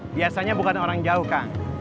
biasanya bukan orang jauh kak